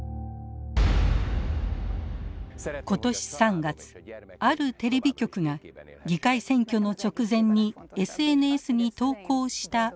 今年３月あるテレビ局が議会選挙の直前にＳＮＳに投稿した動画です。